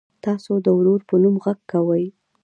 تاسو ته د ورور په نوم غږ کوي.